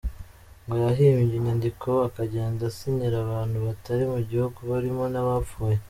Ngo yahimbye inyandiko akagenda asinyira abantu batari mu gihugu barimo n’abapfuye.